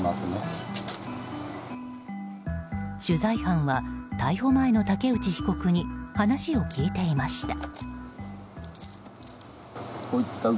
取材班は逮捕前の竹内被告に話を聞いていました。